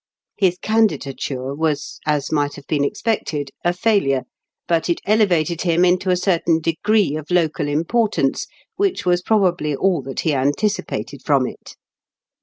His candidature was, as might have been expected, a failure; but it elevated him into a certain degree of local importance, which was probably all that he anticipated from it.